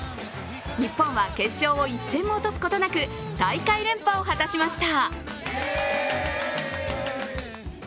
日本は決勝を１戦も落とすことなく、大会連覇を果たしました。